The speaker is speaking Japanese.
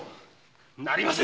なりませぬ。